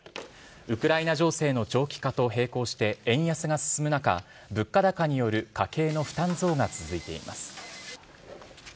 ウクライナ情勢の長期化と並行して円安が進む中物価高による家計の負担増が続いています。